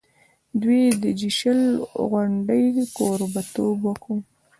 دوی د جي شل غونډې کوربه توب وکړ.